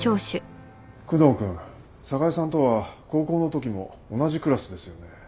久能君寒河江さんとは高校のときも同じクラスですよね。